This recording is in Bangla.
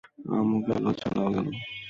আমও গেলো, চালাও গেলো।